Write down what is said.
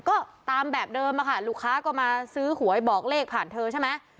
ก็ตามแบบเดิมอะค่ะลูกค้าก็มาซื้อหวยบอกเลขผ่านเธอใช่ไหม